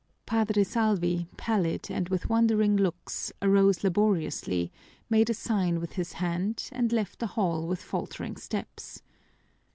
Padre Salvi, pallid and with wandering looks, arose laboriously, made a sign with his hand, and left the hall with faltering steps.